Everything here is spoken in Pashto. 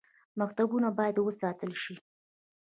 مکتبونه باید وساتل شي